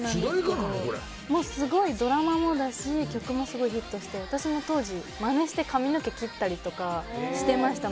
ドラマもだし曲もすごいヒットして私も当時まねして髪の毛切ったりとかしてました。